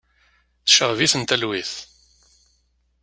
Tceɣɣeb-iten talwit.